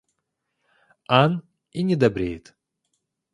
Ан и не доберет.